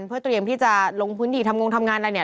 เพื่อเตรียมที่จะลงพื้นที่ทำงงทำงานอะไรเนี่ย